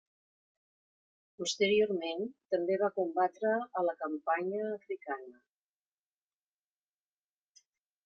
Posteriorment també va combatre a la campanya africana.